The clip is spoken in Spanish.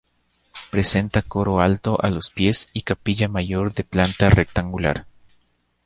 Presenta coro alto a los pies y capilla mayor de planta rectangular.